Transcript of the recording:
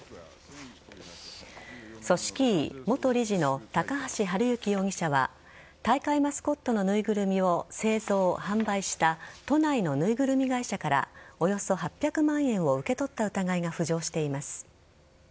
組織委元理事の高橋治之容疑者は大会マスコットのぬいぐるみを製造、販売した都内のぬいぐるみ会社からおよそ８００万円を受け取った疑いが浮上しています。